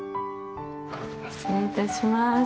失礼いたします。